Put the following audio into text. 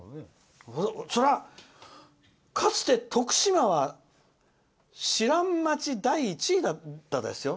それは、かつて徳島は知らん街第１位だったですよ。